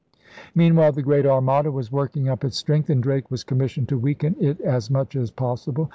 Meanwhile the Great Armada was working up its strength, and Drake was commissioned to weaken it as much as possible.